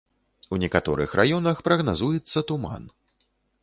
У некаторых раёнах прагназуецца туман.